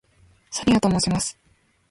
ソニアと申します。